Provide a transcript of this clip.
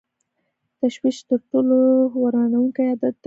تشویش تر ټولو ورانوونکی عادت دی.